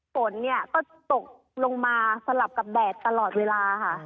ฝนเนี่ยก็ตกลงมาสลับกับแดดตลอดเวลาค่ะ